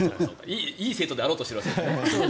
いい生徒であろうとしているわけですね。